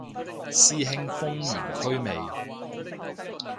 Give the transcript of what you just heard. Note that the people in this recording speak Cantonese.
師兄封完區未